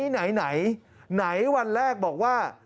ไหนไหนวันแรกบอกว่า